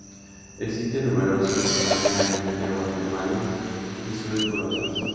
Existen numerosos balnearios de aguas termales y sulfurosas.